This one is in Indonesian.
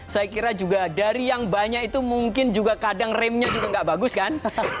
saya kira juga dari yang banyak itu mungkin juga kadang remnya juga nggak bagus kan